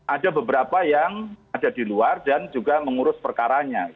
ada beberapa yang ada di luar dan juga mengurus perkaranya